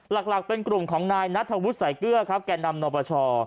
หลักเป็นกลุ่มของนายนัทวุฒิใส่เกลื้อแก่นำนปช